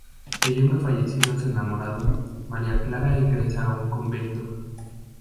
Creyendo fallecido a su enamorado, María Clara ingresa en un convento.